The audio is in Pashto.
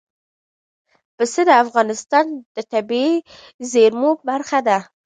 پسه د افغانستان د طبیعي زیرمو برخه ده.